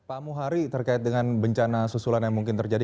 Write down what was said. pak muhari terkait dengan bencana susulan yang mungkin terjadi